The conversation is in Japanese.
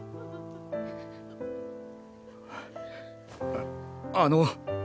ああの！